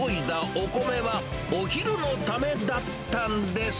お米は、お昼のためだったんです。